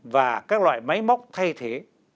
và các loại máy móc thay thế